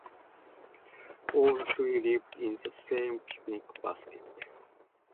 All three lived in the same picnic basket.